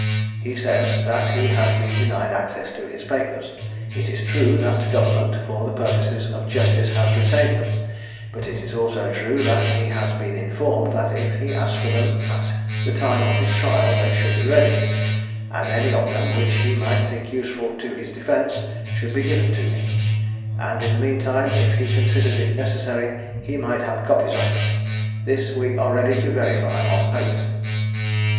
He says, that he has been denied access to his papers. It is true that government, for the purposes of justice, has retained them but it is also true, that he has been informed that if he asked for them at the time of his trial they should be ready; and any of them, which he might think useful to his defence, should be given to him; and in the mean time, if he considered it necessary, he might have copies of them. This we are ready to verify on oath."